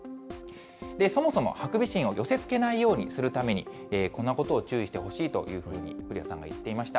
そもそもハクビシンを寄せつけないようにするために、こんなことを注意してほしいというふうに古谷さんが言っていました。